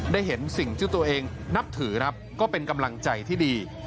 ได้เห็นสิ่งที่ตัวเองนับถือครับก็เป็นกำลังใจที่ดี